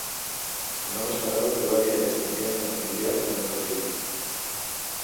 No m'esperava trobar-hi aquest ambient tan familiar, en un casino.